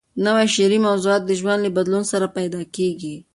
نوي شعري موضوعات د ژوند له بدلون سره پیدا کېږي.